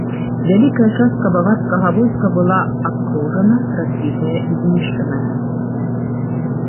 Вялікая частка баварскага войска была абкружана, разбітая і знішчаная.